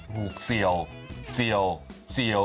ผูกเสี่ยวเสี่ยวเสี่ยว